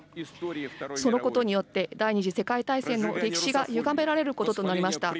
そのことによって第２次世界大戦の歴史がゆがめられることとなりました。